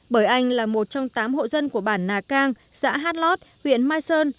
bởi anh là một trong tám hộ dân của bản nà cang xã hát lót huyện mai sơn